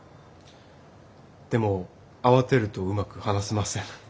でも慌てるとうまく話せません。